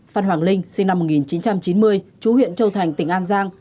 phan hoàng linh sinh năm một nghìn chín trăm chín mươi chú huyện châu thành tỉnh an giang